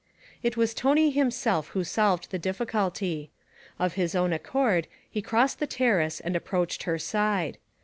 It was Tony himself who solved the difficulty. Of his own accord he crossed the terrace and approached her side.